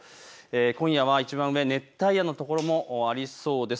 今夜はいちばん上、熱帯夜の所もありそうです。